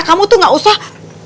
kamu tuh gak usah